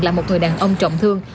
là một người đàn ông trọng thương